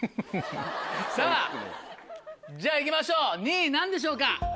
さぁじゃあ行きましょう２位何でしょうか？